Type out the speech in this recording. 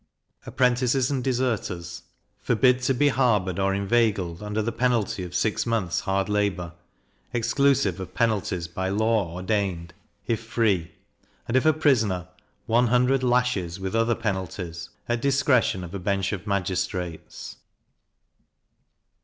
Apprentices and Deserters forbid to be harboured or inveigled, under the penalty of six months hard labour, exclusive of penalties by law ordained, if free; and, if a prisoner, one hundred lashes, with other penalties, at discretion of a bench of magistrates.